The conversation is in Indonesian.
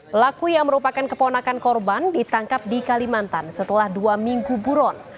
pelaku yang merupakan keponakan korban ditangkap di kalimantan setelah dua minggu buron